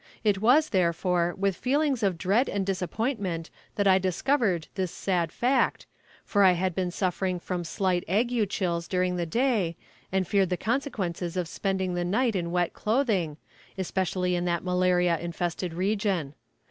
It was, therefore, with feelings of dread and disappointment that I discovered this sad fact, for I had been suffering from slight ague chills during the day, and feared the consequences of spending the night in wet clothing, especially in that malaria infested region.